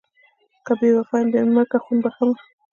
که بې وفا یم بیا مې مړه کړه خون بښمه...